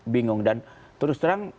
bingung dan terus terang